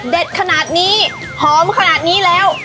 ขนาดนี้หอมขนาดนี้แล้ว